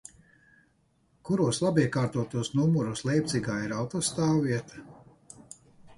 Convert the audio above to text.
Kuros labiekārtotos numuros Leipcigā ir autostāvvieta?